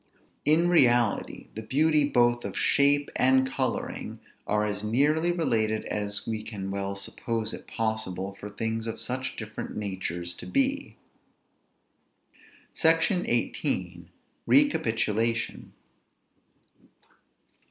In reality, the beauty both of shape and coloring are as nearly related as we can well suppose it possible for things of such different natures to be. SECTION XVIII. RECAPITULATION.